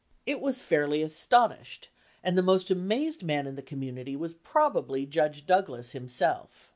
It was fairly aston ished, and the most amazed man in the community was probably Judge Douglas himself.